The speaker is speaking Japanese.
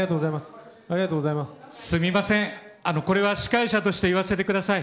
すみません司会者として言わせてください。